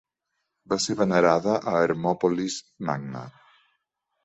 Va ser venerada a Hermòpolis Magna.